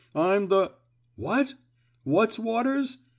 I'm the — What?— What's Waters?